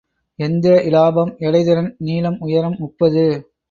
எந்திர இலாபம் எடை திறன் நீளம் உயரம் முப்பது.